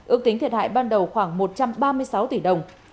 ước tính thiệt hại ban đầu khoảng một trăm ba mươi sáu tỷ đồng